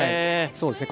そうですね